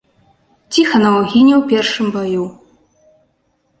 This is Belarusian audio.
Ціханаў гіне ў першым баю.